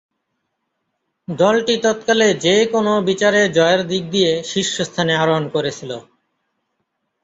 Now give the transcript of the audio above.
দলটি তৎকালে যে-কোন বিচারে জয়ের দিক দিয়ে শীর্ষস্থানে আরোহণ করেছিল।